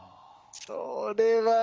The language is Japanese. それはね